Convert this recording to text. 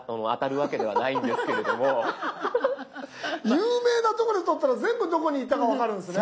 有名な所で撮ったら全部どこに行ったか分かるんですね。